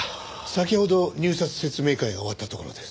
先ほど入札説明会が終わったところです。